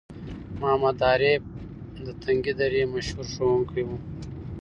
محمد عارف د تنگي درې مشهور ښوونکی وو